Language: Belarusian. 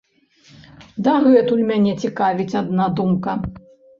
Дагэтуль мяне цікавіць адна думка.